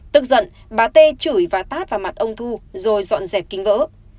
tức giận bà tê chửi và tát vào mặt ông thu rồi dọn dẹp kính vỡ